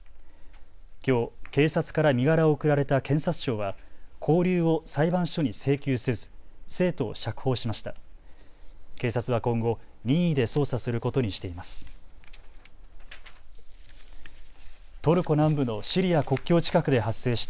きょう警察から身柄を送られた検察庁は勾留を裁判所に請求せず生徒を釈放しました。